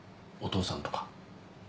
お父さんとか。